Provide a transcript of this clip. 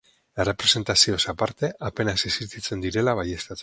Errepresentazioez aparte apenas esistitzen direla baieztatzeko.